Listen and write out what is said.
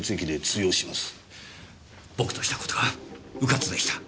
僕とした事がうかつでした。